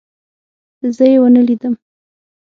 زه يې ونه لیدم.